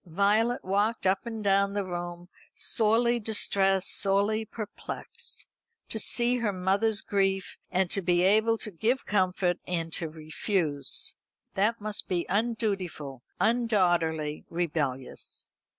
Violet walked up and down the room, sorely distressed, sorely perplexed. To see her mother's grief, and to be able to give comfort, and to refuse. That must be undutiful, undaughterly, rebellious.